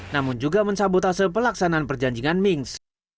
namun juga mensabotase pelaksanaan perjanjian mings